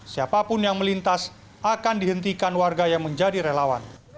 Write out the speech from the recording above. siapapun yang melintas akan dihentikan warga yang menjadi relawan